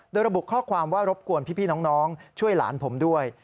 โดยระบุข้อความว่ารบกวนพี่น้องช่วยหลานผมด้วย